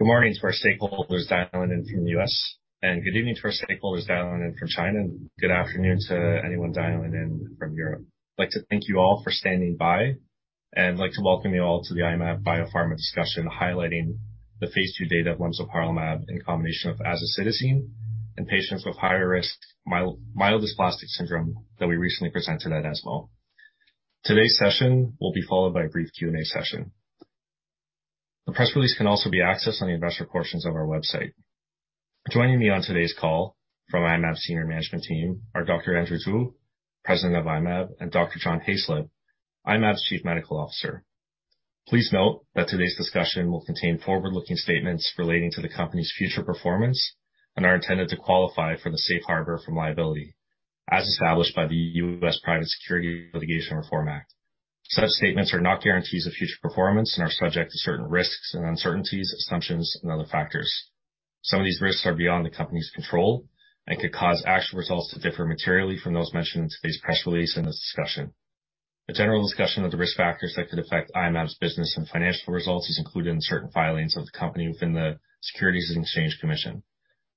Good morning to our stakeholders dialing in from the U.S., and good evening to our stakeholders dialing in from China, and good afternoon to anyone dialing in from Europe. I'd like to thank you all for standing by, and I'd like to welcome you all to the I-Mab Biopharma discussion highlighting the phase II data of lemzoparlimab in combination with azacitidine in patients with higher-risk myelodysplastic syndrome that we recently presented at ASCO. Today's session will be followed by a brief Q&A session. The press release can also be accessed on the investor portion of our website. Joining me on today's call from I-Mab senior management team are Dr. Andrew Zhu, President of I-Mab, and Dr. John Hayslip, I-Mab's Chief Medical Officer. Please note that today's discussion will contain forward-looking statements relating to the company's future performance and are intended to qualify for the safe harbor from liability as established by the U.S. Private Securities Litigation Reform Act. Such statements are not guarantees of future performance and are subject to certain risks and uncertainties, assumptions, and other factors. Some of these risks are beyond the company's control and could cause actual results to differ materially from those mentioned in today's press release and this discussion. A general discussion of the risk factors that could affect I-Mab's business and financial results is included in certain filings of the company within the Securities and Exchange Commission.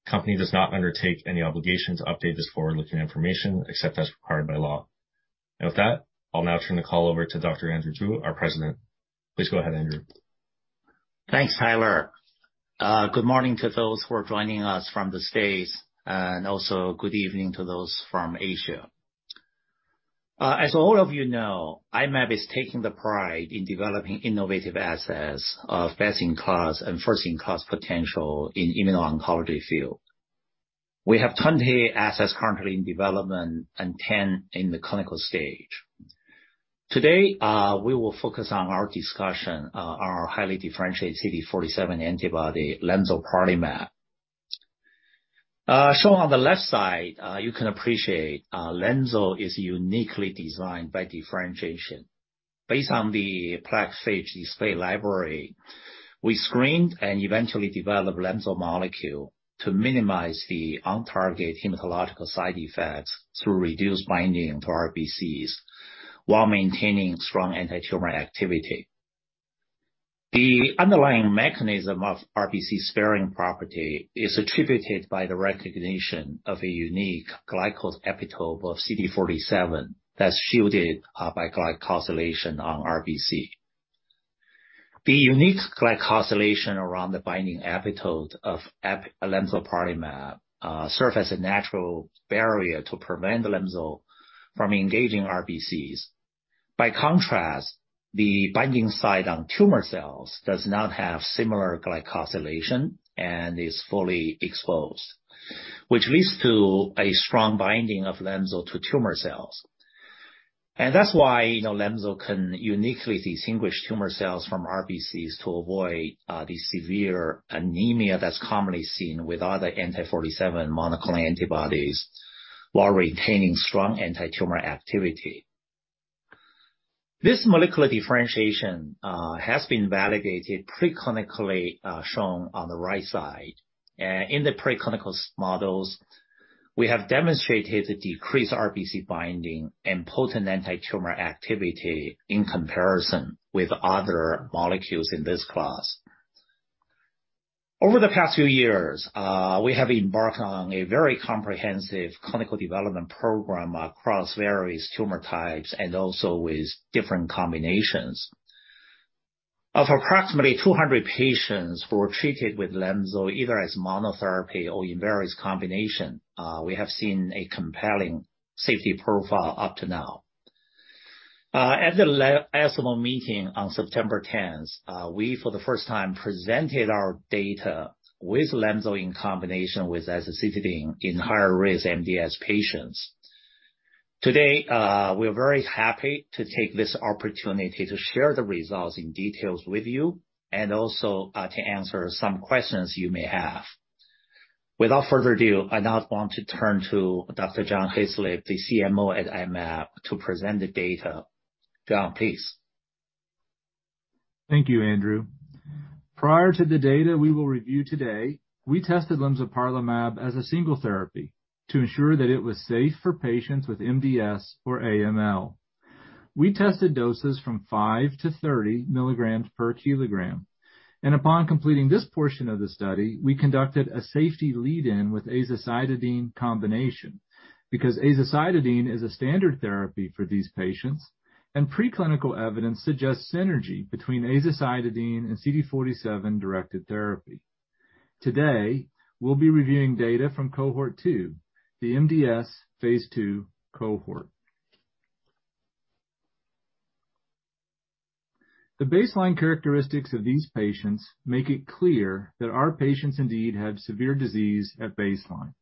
Company does not undertake any obligation to update this forward-looking information, except as required by law. With that, I'll now turn the call over to Dr. Andrew Zhu, our President. Please go ahead, Andrew. Thanks, Tyler. Good morning to those who are joining us from the States, and also good evening to those from Asia. As all of you know, I-Mab is taking the pride in developing innovative assets of best-in-class and first-in-class potential in immuno-oncology field. We have 20 assets currently in development and 10 in the clinical stage. Today, we will focus on our discussion on our highly differentiated CD47 antibody, lemzoparlimab. Shown on the left side, you can appreciate, lemzo is uniquely designed by differentiation. Based on the phage display library, we screened and eventually developed lemzo molecule to minimize the on-target hematological side effects through reduced binding to RBCs while maintaining strong antitumor activity. The underlying mechanism of RBC-sparing property is attributed by the recognition of a unique glycosyl epitope of CD47 that's shielded by glycosylation on RBC. The unique glycosylation around the binding epitope of lemzoparlimab serves as a natural barrier to prevent lenzo from engaging RBCs. By contrast, the binding site on tumor cells does not have similar glycosylation and is fully exposed, which leads to a strong binding of lenzo to tumor cells. That's why, you know, lenzo can uniquely distinguish tumor cells from RBCs to avoid the severe anemia that's commonly seen with other anti-CD47 monoclonal antibodies while retaining strong antitumor activity. This molecular differentiation has been validated preclinically, shown on the right side. In the preclinical models, we have demonstrated a decreased RBC binding and potent antitumor activity in comparison with other molecules in this class. Over the past few years, we have embarked on a very comprehensive clinical development program across various tumor types and also with different combinations. Of approximately 200 patients who were treated with lemzo, either as monotherapy or in various combination, we have seen a compelling safety profile up to now. At the ESMO meeting on September 10th, we, for the first time, presented our data with lemzo in combination with azacitidine in higher-risk MDS patients. Today, we are very happy to take this opportunity to share the results in details with you and also, to answer some questions you may have. Without further ado, I now want to turn to Dr. John Hayslip, the CMO at I-Mab, to present the data. John, please. Thank you, Andrew. Prior to the data we will review today, we tested lemzoparlimab as a single therapy to ensure that it was safe for patients with MDS or AML. We tested doses from 5 to 30 mg per kg, and upon completing this portion of the study, we conducted a safety lead-in with azacitidine combination because azacitidine is a standard therapy for these patients, and preclinical evidence suggests synergy between azacitidine and CD47-directed therapy. Today, we'll be reviewing data from cohort two, the MDS phase II cohort. The baseline characteristics of these patients make it clear that our patients indeed have severe disease at baseline.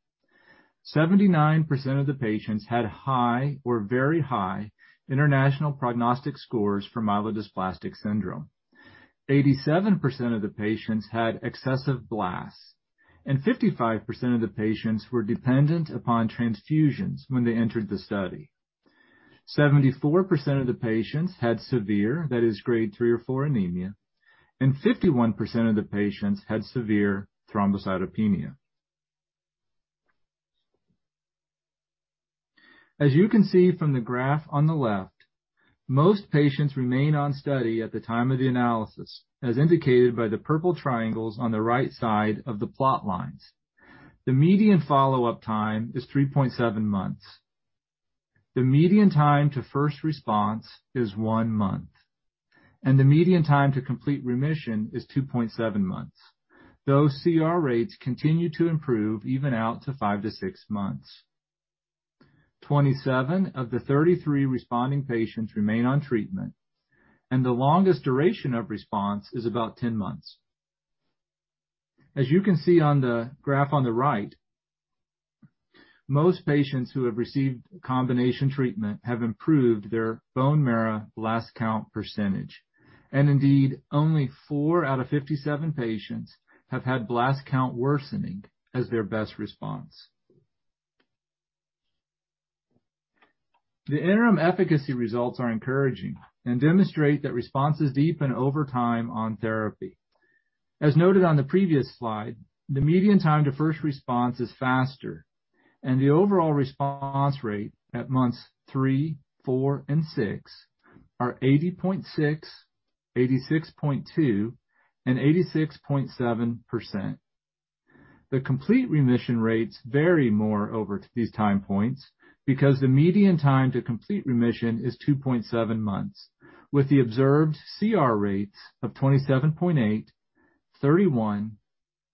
79% of the patients had high or very high international prognostic scores for myelodysplastic syndrome. 87% of the patients had excessive blasts, and 55% of the patients were dependent upon transfusions when they entered the study. 74% of the patients had severe, that is grade 3 or 4 anemia, and 51% of the patients had severe thrombocytopenia. As you can see from the graph on the left, most patients remain on study at the time of the analysis, as indicated by the purple triangles on the right side of the plot lines. The median follow-up time is 3.7 months. The median time to first response is 1 month, and the median time to complete remission is 2.7 months. Those CR rates continue to improve even out to 5-6 months. Twenty-seven of the 33 responding patients remain on treatment, and the longest duration of response is about 10 months. As you can see on the graph on the right, most patients who have received combination treatment have improved their bone marrow blast count percentage. Indeed, only 4 out of 57 patients have had blast count worsening as their best response. The interim efficacy results are encouraging and demonstrate that responses deepen over time on therapy. As noted on the previous slide, the median time to first response is faster, and the overall response rate at months three, four, and six are 80.6%, 86.2%, and 86.7%. The complete remission rates vary more over these time points because the median time to complete remission is 2.7 months, with the observed CR rates of 27.8%, 31%,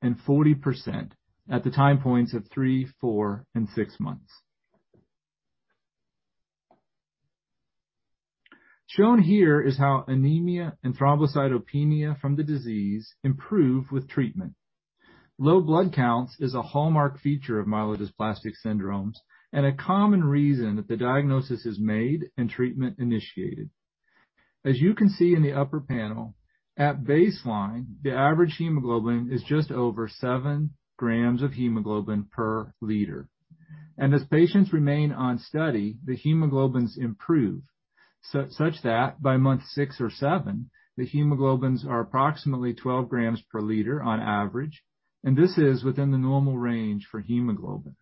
and 40% at the time points of three, four, and six months. Shown here is how anemia and thrombocytopenia from the disease improve with treatment. Low blood counts is a hallmark feature of myelodysplastic syndromes and a common reason that the diagnosis is made and treatment initiated. As you can see in the upper panel, at baseline, the average hemoglobin is just over 7 gm of hemoglobin per deciliter. As patients remain on study, the hemoglobins improve such that by month 6 or 7, the hemoglobins are approximately 12 gm per deciliter on average, and this is within the normal range for hemoglobin.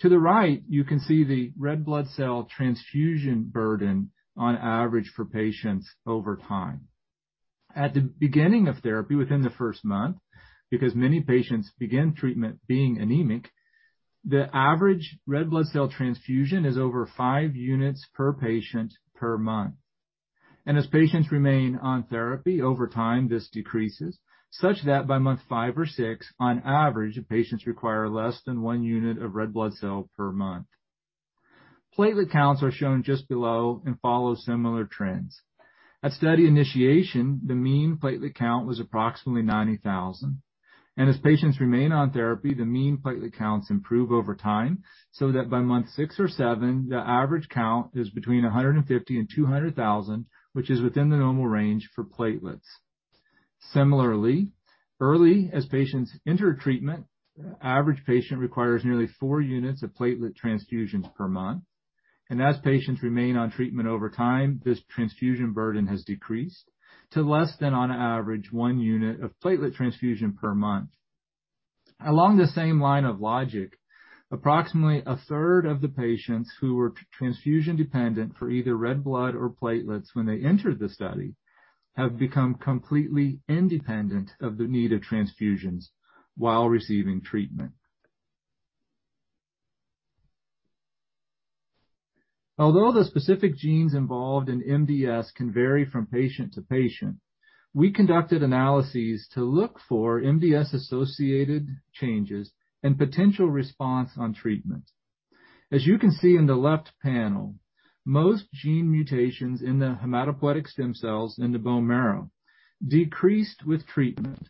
To the right, you can see the red blood cell transfusion burden on average for patients over time. At the beginning of therapy within the first month, because many patients begin treatment being anemic, the average red blood cell transfusion is over 5 units per patient per month. As patients remain on therapy over time, this decreases such that by month five or six, on average, patients require less than one unit of red blood cell per month. Platelet counts are shown just below and follow similar trends. At study initiation, the mean platelet count was approximately 90,000. As patients remain on therapy, the mean platelet counts improve over time, so that by month 6 or 7, the average count is between 150,000 and 200,000, which is within the normal range for platelets. Similarly, as early as patients enter treatment, average patient requires nearly 4 units of platelet transfusions per month. As patients remain on treatment over time, this transfusion burden has decreased to less than, on average, one unit of platelet transfusion per month. Along the same line of logic, approximately a third of the patients who were transfusion-dependent for either red blood or platelets when they entered the study have become completely independent of the need of transfusions while receiving treatment. Although the specific genes involved in MDS can vary from patient to patient, we conducted analyses to look for MDS-associated changes and potential response on treatment. As you can see in the left panel, most gene mutations in the hematopoietic stem cells in the bone marrow decreased with treatment.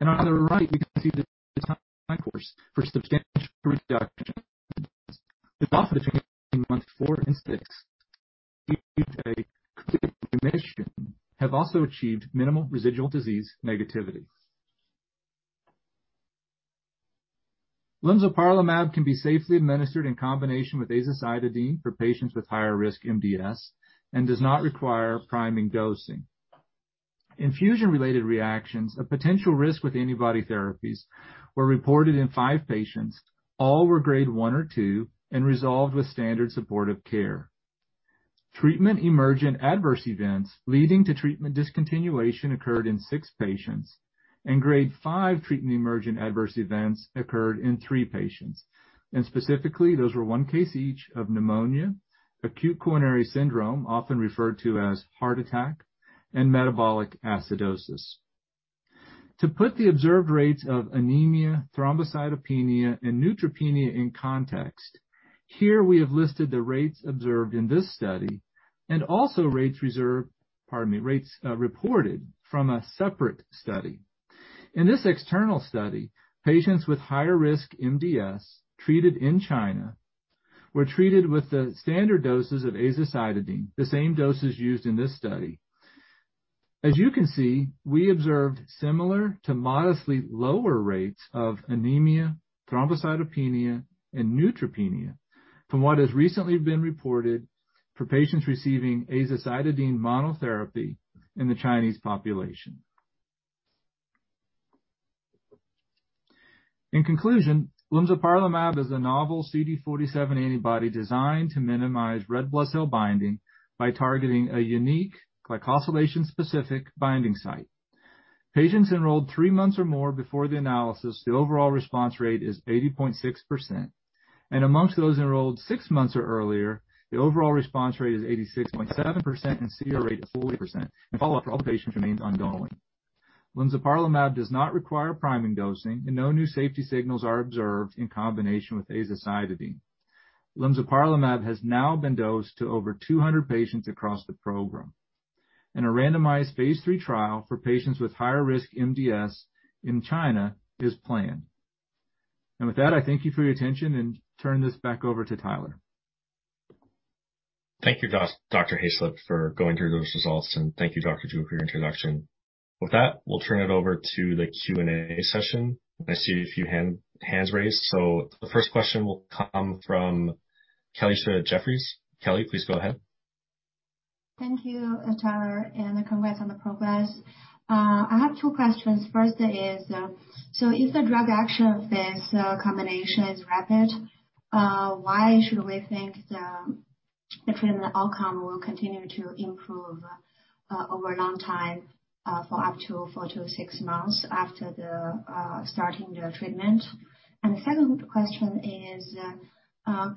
On the right, we can see the time course for substantial reduction between months 4 and 6. Remission have also achieved minimal residual disease negativity. Lemzoparlimab can be safely administered in combination with azacitidine for patients with higher risk MDS and does not require priming dosing. Infusion-related reactions, a potential risk with antibody therapies, were reported in 5 patients. All were grade 1 or 2 and resolved with standard supportive care. Treatment emergent adverse events leading to treatment discontinuation occurred in 6 patients, and grade 5 treatment emergent adverse events occurred in 3 patients. Specifically, those were one case each of pneumonia, acute coronary syndrome, often referred to as heart attack, and metabolic acidosis. To put the observed rates of anemia, thrombocytopenia, and neutropenia in context, here we have listed the rates observed in this study and also rates reported from a separate study. In this external study, patients with higher risk MDS treated in China were treated with the standard doses of azacitidine, the same doses used in this study. As you can see, we observed similar to modestly lower rates of anemia, thrombocytopenia, and neutropenia from what has recently been reported for patients receiving azacitidine monotherapy in the Chinese population. In conclusion, lemzoparlimab is a novel CD47 antibody designed to minimize red blood cell binding by targeting a unique glycosylation specific binding site. Patients enrolled three months or more before the analysis, the overall response rate is 80.6%. Among those enrolled six months or earlier, the overall response rate is 86.7% and CR rate of 40%, and follow-up for all patients remains ongoing. Lemzoparlimab does not require priming dosing, and no new safety signals are observed in combination with azacitidine. Lemzoparlimab has now been dosed to over 200 patients across the program. A randomized phase III trial for patients with higher risk MDS in China is planned. With that, I thank you for your attention and turn this back over to Tyler. Thank you, Dr. Hayslip, for going through those results and thank you Dr. Zhu for your introduction. With that, we'll turn it over to the Q&A session. I see a few hands raised. The first question will come from Kelly Shi at Jefferies. Kelly, please go ahead. Thank you, Tyler, and congrats on the progress. I have two questions. First is, so if the drug action of this combination is rapid, why should we think the clinical outcome will continue to improve over a long time for up to 4-6 months after starting the treatment? The second question is,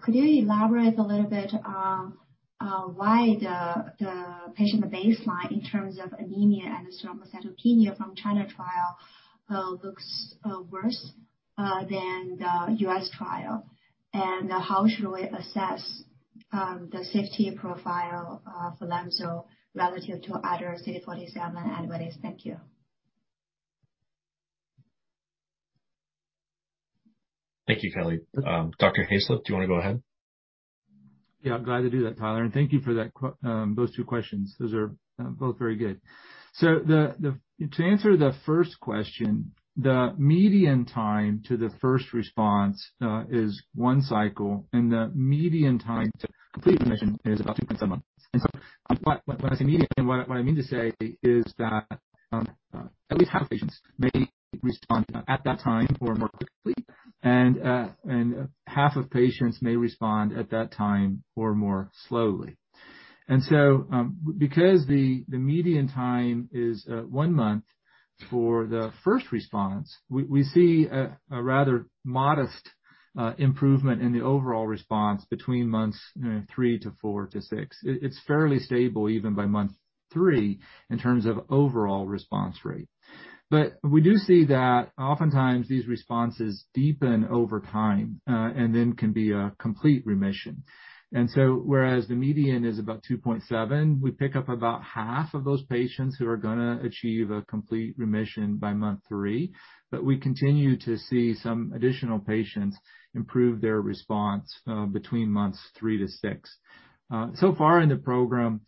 could you elaborate a little bit on why the patient baseline in terms of anemia and thrombocytopenia from China trial looks worse than the U.S. trial? And how should we assess the safety profile for them, so relative to other CD47 antibodies? Thank you. Thank you, Kelly. Dr. Hayslip, do you wanna go ahead? Yeah, glad to do that, Tyler, and thank you for those two questions. Those are both very good. To answer the first question, the median time to the first response is one cycle, and the median time to complete remission is about 2.7 months. When I say median, what I mean to say is that at least half the patients may respond at that time or more quickly, and half of patients may respond at that time or more slowly. Because the median time is one month for the first response, we see a rather modest improvement in the overall response between months three to four to six. It's fairly stable even by month three in terms of overall response rate. We do see that oftentimes these responses deepen over time, and then can be a complete remission. Whereas the median is about 2.7, we pick up about half of those patients who are gonna achieve a complete remission by month three. We continue to see some additional patients improve their response between months 3-6. So far in the program,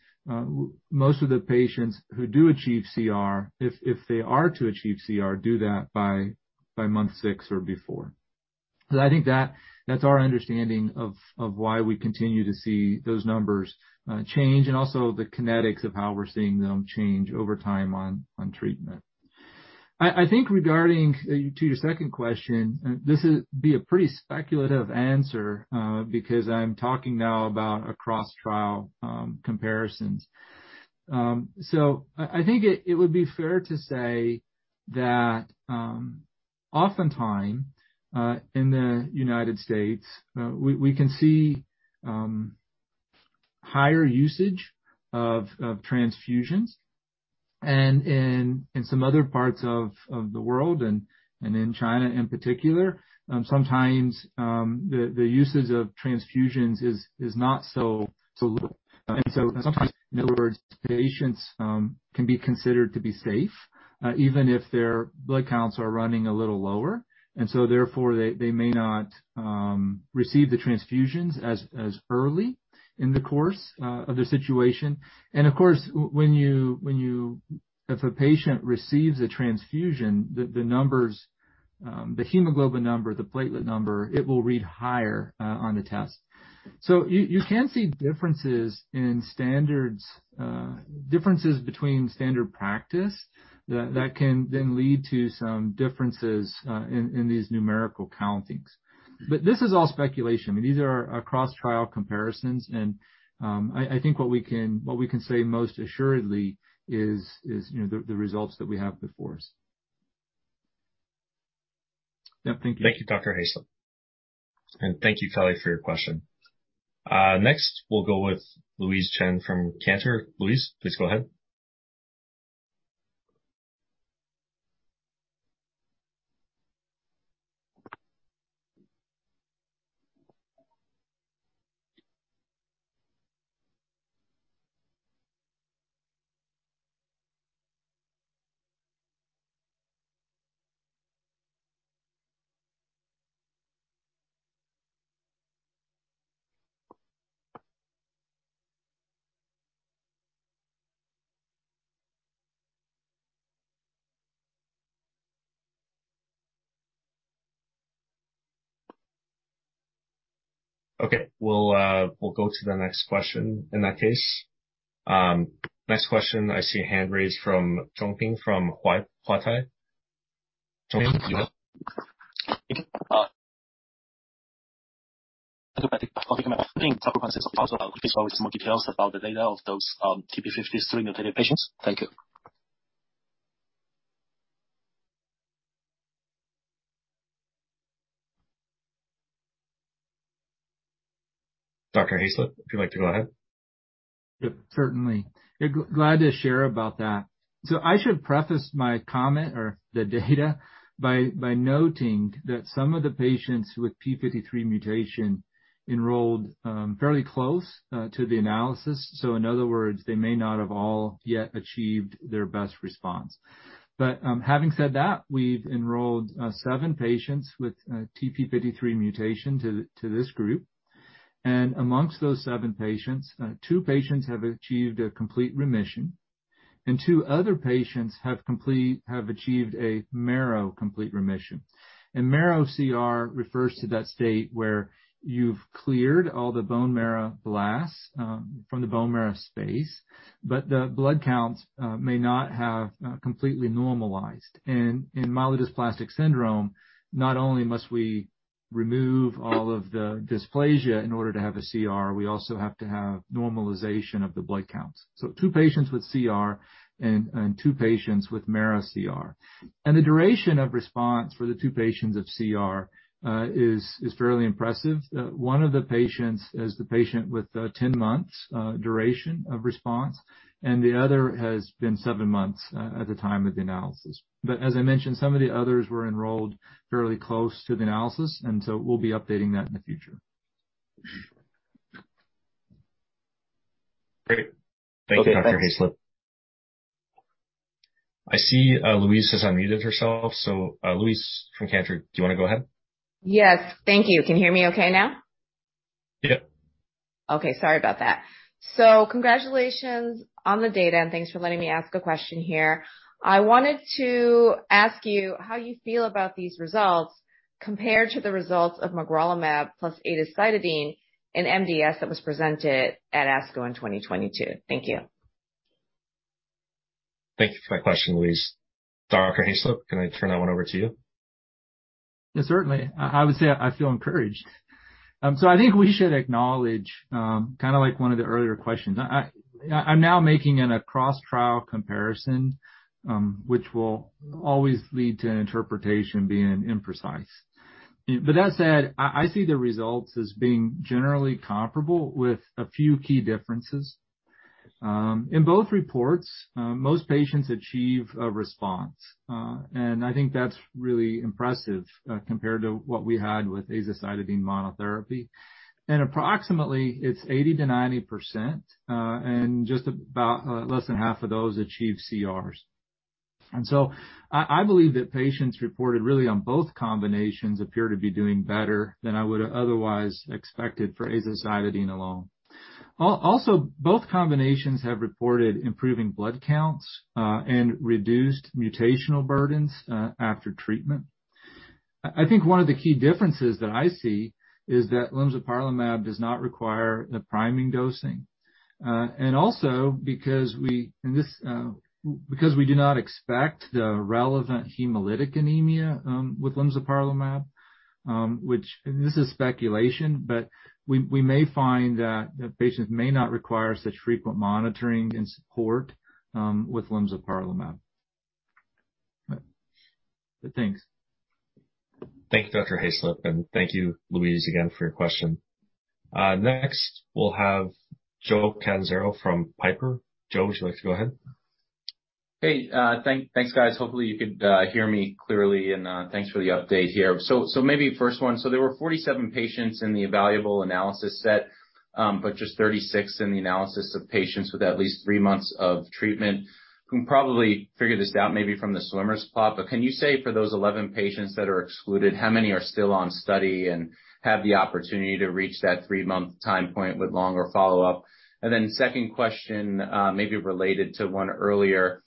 most of the patients who do achieve CR, if they are to achieve CR, do that by month six or before. I think that's our understanding of why we continue to see those numbers change and also the kinetics of how we're seeing them change over time on treatment. I think regarding your second question, this'll be a pretty speculative answer, because I'm talking now about across-trial comparisons. I think it would be fair to say that oftentimes in the United States we can see higher usage of transfusions. In some other parts of the world and in China in particular, sometimes the uses of transfusions is not so low. Sometimes, in other words, patients can be considered to be safe even if their blood counts are running a little lower. Therefore, they may not receive the transfusions as early in the course of the situation. Of course, if a patient receives a transfusion, the numbers, the hemoglobin number, the platelet number, it will read higher on the test. You can see differences in standards, differences between standard practice that can then lead to some differences in these numerical countings. This is all speculation. I mean, these are across trial comparisons. I think what we can say most assuredly is, you know, the results that we have before us. Yeah. Thank you. Thank you, Dr. Hayslip. Thank you, Kelly, for your question. Next, we'll go with Louise Chen from Cantor. Louise, please go ahead. Okay. We'll go to the next question in that case. Next question, I see a hand raised from Zhong Ping from Huatai. Zhong Ping, go ahead. Thank you. With some more details about the data of those, TP53 mutated patients. Thank you. Dr. Hayslip, if you'd like to go ahead. Yep, certainly. Glad to share about that. I should preface my comment or the data by noting that some of the patients with TP53 mutation enrolled fairly close to the analysis. In other words, they may not have all yet achieved their best response. Having said that, we've enrolled 7 patients with TP53 mutation to this group, and amongst those 7 patients, 2 patients have achieved a complete remission, and 2 other patients have achieved a marrow complete remission. Marrow CR refers to that state where you've cleared all the bone marrow blasts from the bone marrow space, but the blood counts may not have completely normalized. In myelodysplastic syndrome, not only must we remove all of the dysplasia in order to have a CR, we also have to have normalization of the blood counts. Two patients with CR and two patients with marrow CR. The duration of response for the two patients of CR is fairly impressive. One of the patients is the patient with 10 months duration of response, and the other has been seven months at the time of the analysis. As I mentioned, some of the others were enrolled fairly close to the analysis, and so we'll be updating that in the future. Great. Thank you, Dr. John Hayslip. I see, Louise has unmuted herself. Louise from Cantor, do you wanna go ahead? Yes. Thank you. Can you hear me okay now? Yep. Okay. Sorry about that. Congratulations on the data, and thanks for letting me ask a question here. I wanted to ask you how you feel about these results compared to the results of magrolimab plus azacitidine in MDS that was presented at ASCO in 2022. Thank you. Thank you for that question, Louise. Dr. Hayslip, can I turn that one over to you? Yeah, certainly. I would say I feel encouraged. I think we should acknowledge, kind of like one of the earlier questions. I'm now making an across trial comparison, which will always lead to an interpretation being imprecise. That said, I see the results as being generally comparable with a few key differences. In both reports, most patients achieve a response, and I think that's really impressive, compared to what we had with azacitidine monotherapy. Approximately it's 80%-90%, and just about less than half of those achieve CRs. I believe that patients in both combinations appear to be doing better than I would have otherwise expected for azacitidine alone. Also, both combinations have reported improving blood counts, and reduced mutational burdens, after treatment. I think one of the key differences that I see is that lemzoparlimab does not require the priming dosing. Also because we do not expect the relevant hemolytic anemia with lemzoparlimab, which and this is speculation, but we may find that the patients may not require such frequent monitoring and support with lemzoparlimab. Thanks. Thank you, Dr. Hayslip. Thank you, Louise, again for your question. Next we'll have Joe Catanzaro from Piper Sandler. Joe, would you like to go ahead? Hey, thanks, guys. Hopefully you could hear me clearly. Thanks for the update here. Maybe first one. There were 47 patients in the evaluable analysis set, but just 36 in the analysis of patients with at least three months of treatment. Can probably figure this out maybe from the Swimmer plot, but can you say for those 11 patients that are excluded, how many are still on study and have the opportunity to reach that 3-month time point with longer follow-up? Then second question, maybe related to one earlier,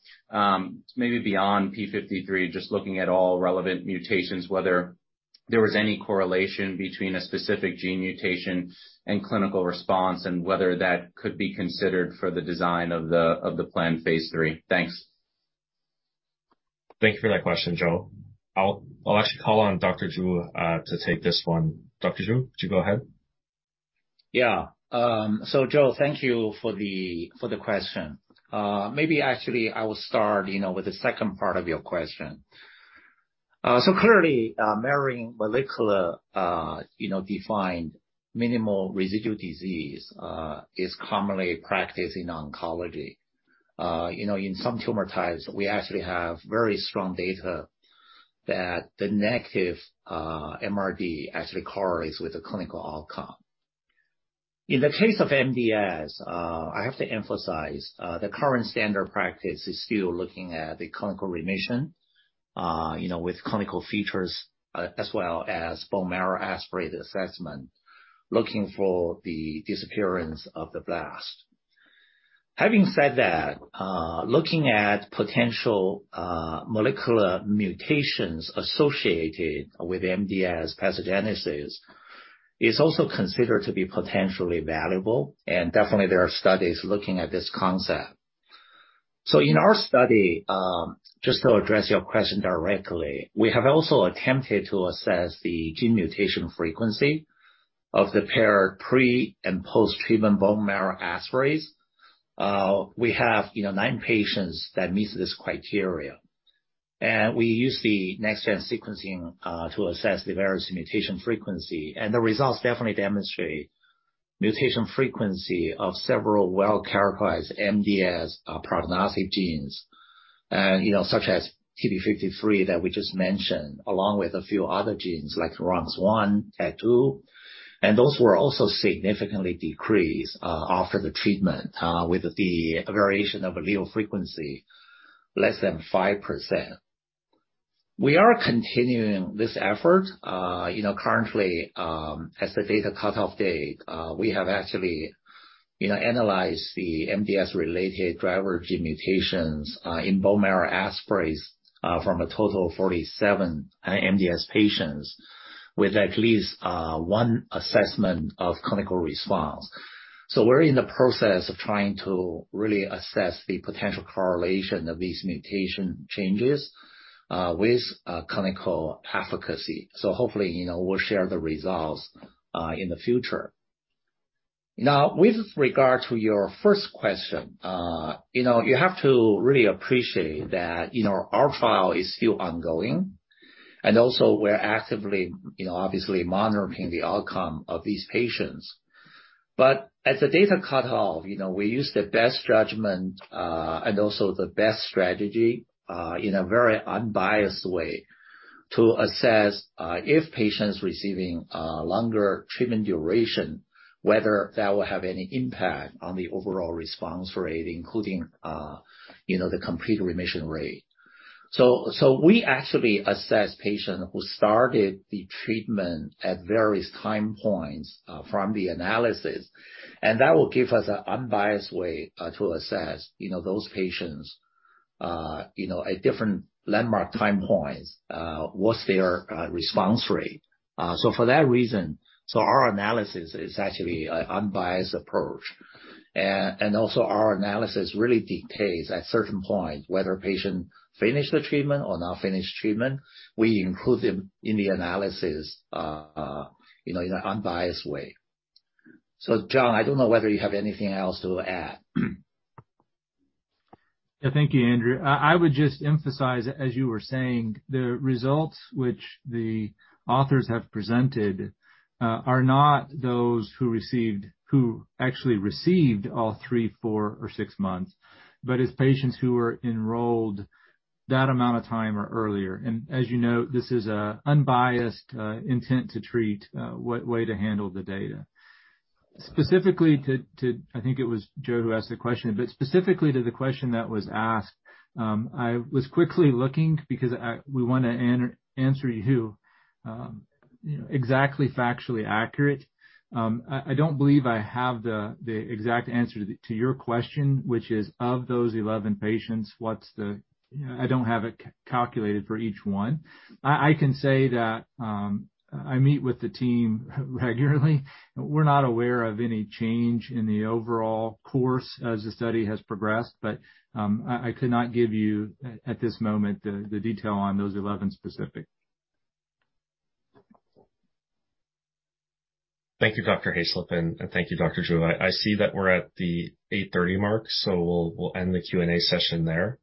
maybe beyond TP53, just looking at all relevant mutations, whether there was any correlation between a specific gene mutation and clinical response and whether that could be considered for the design of the planned phase III. Thanks. Thank you for that question, Joe. I'll actually call on Dr. Zhu to take this one. Dr. Zhu, would you go ahead? Yeah. Joe, thank you for the question. Maybe actually I will start, you know, with the second part of your question. Clearly, measuring molecular, you know, defined minimal residual disease is commonly practiced in oncology. You know, in some tumor types, we actually have very strong data that the negative MRD actually correlates with the clinical outcome. In the case of MDS, I have to emphasize, the current standard practice is still looking at the clinical remission, you know, with clinical features, as well as bone marrow aspirate assessment, looking for the disappearance of the blast. Having said that, looking at potential molecular mutations associated with MDS pathogenesis is also considered to be potentially valuable and definitely there are studies looking at this concept. In our study, just to address your question directly, we have also attempted to assess the gene mutation frequency of the paired pre and post-treatment bone marrow aspirates. We have, you know, nine patients that meets this criteria. We use the next-gen sequencing to assess the various mutation frequency, and the results definitely demonstrate mutation frequency of several well-characterized MDS prognostic genes. You know, such as TP53 that we just mentioned, along with a few other genes like RUNX1, TET2, and those were also significantly decreased after the treatment with the variant allele frequency less than 5%. We are continuing this effort. You know, currently, as the data cutoff date, we have actually, you know, analyzed the MDS-related driver gene mutations in bone marrow aspirates from a total of 47 MDS patients with at least one assessment of clinical response. We're in the process of trying to really assess the potential correlation of these mutation changes with clinical efficacy. Hopefully, you know, we'll share the results in the future. Now, with regard to your first question, you know, you have to really appreciate that, you know, our trial is still ongoing, and also we're actively, you know, obviously monitoring the outcome of these patients. At the data cutoff, you know, we use the best judgment, and also the best strategy, in a very unbiased way to assess, if patients receiving, longer treatment duration, whether that will have any impact on the overall response rate, including, you know, the complete remission rate. So we actually assess patient who started the treatment at various time points, from the analysis, and that will give us an unbiased way, to assess, you know, those patients, you know, at different landmark time points, what's their, response rate. For that reason, our analysis is actually an unbiased approach. And also our analysis really dictates at certain points whether a patient finished the treatment or not finished treatment. We include them in the analysis, you know, in an unbiased way. John, I don't know whether you have anything else to add. Yeah. Thank you, Andrew. I would just emphasize, as you were saying, the results which the authors have presented are not those who actually received all three, four, or six months, but it's patients who were enrolled that amount of time or earlier. As you know, this is an unbiased intent-to-treat way to handle the data. Specifically to I think it was Joe who asked the question, but specifically to the question that was asked, I was quickly looking because we want to answer you know, exactly factually accurate. I don't believe I have the exact answer to your question, which is, of those 11 patients, what's the. I don't have it calculated for each one. I can say that I meet with the team regularly. We're not aware of any change in the overall course as the study has progressed, but I could not give you at this moment the detail on those 11 specific. Thank you, Dr. Hayslip, and thank you, Dr. Zhu. I see that we're at the 830 mark, so we'll end the Q&A session there.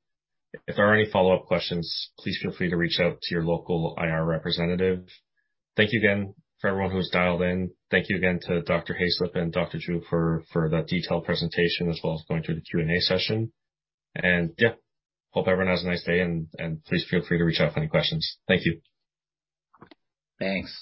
If there are any follow-up questions, please feel free to reach out to your local IR representative. Thank you again for everyone who's dialed in. Thank you again to Dr. Hayslip and Dr. Zhu for the detailed presentation as well as going through the Q&A session. Yeah, hope everyone has a nice day, and please feel free to reach out for any questions. Thank you. Thanks.